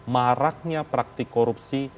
maraknya praktik korupsi